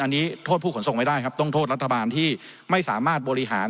อันนี้โทษผู้ขนส่งไม่ได้ครับต้องโทษรัฐบาลที่ไม่สามารถบริหาร